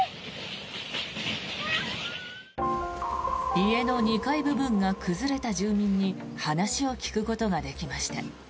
家の２階部分が崩れた住民に話を聞くことができました。